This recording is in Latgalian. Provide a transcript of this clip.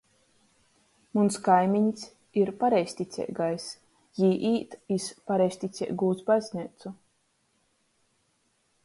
Muns kaimiņs ir pareizticeigais, jī īt iz pareizticeigūs bazneicu.